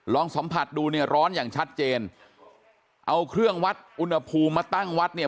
ลองสัมผัสดูเนี่ยร้อนอย่างชัดเจนเอาเครื่องวัดอุณหภูมิมาตั้งวัดเนี่ย